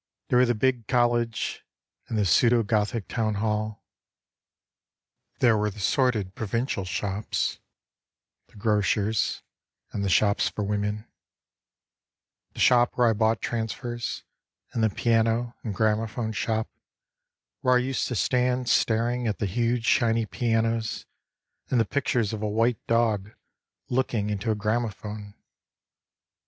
There were the big College And the pseudo Gothic town hall. There were the sordid provincial shops The grocer's, and the shops for women, The shop where I bought transfers, And the piano and gramaphone shop Where I used to stand Staring at the huge shiny pianos and at the pictures Of a white dog looking into a gramaphone.